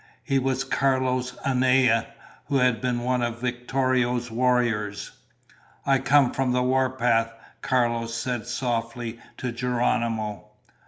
He was Carlos Anaya, who had been one of Victorio's warriors. "I come from the warpath," Carlos said softly to Geronimo.